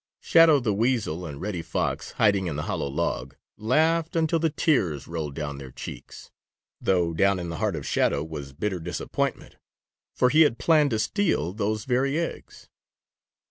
Shadow the Weasel and Reddy Fox, hiding in the hollow log, laughed until the tears rolled down their cheeks, though down in the heart of Shadow was bitter disappointment, for he had planned to steal those very eggs.